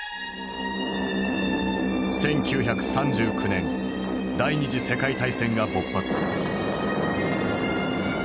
１９３９年第二次世界大戦が勃発。